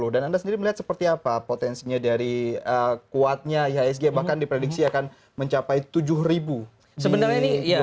dan anda sendiri melihat seperti apa potensinya dari kuatnya ihsg bahkan diprediksi akan mencapai tujuh ribu di dua ribu tujuh belas